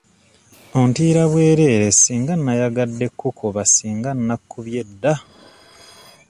Ontiira bwerere singa nayagadde kkukuba singa nakkubye dda.